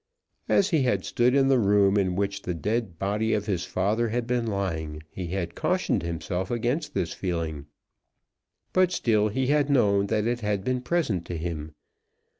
As he had stood in the room in which the dead body of his father had been lying, he had cautioned himself against this feeling. But still he had known that it had been present to him.